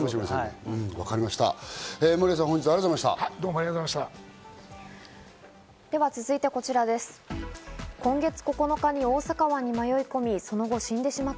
守屋さん、本日はありがとうございました。